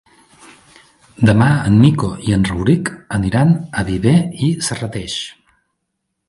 Demà en Nico i en Rauric aniran a Viver i Serrateix.